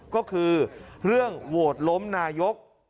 ก็คือเรื่องโหวตล้มนายก